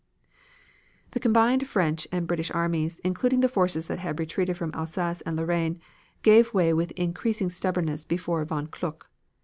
The combined French and British armies, including the forces that had retreated from Alsace and Lorraine, gave way with increasing stubbornness before von Kluck.